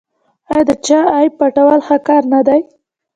آیا د چا عیب پټول ښه کار نه دی؟